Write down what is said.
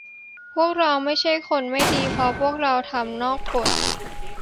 พวกเราไม่ใช่คนไม่ดีเพราะพวกเราเราทำนอกกฏ